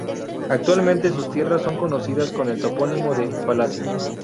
Actualmente sus tierras son conocidas con el topónimo de "Palacio".